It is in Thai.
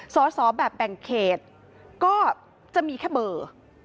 สอบแบบแบ่งเขตก็จะมีแค่เบอร์